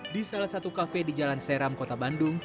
di salah satu kafe di jalan seram kota bandung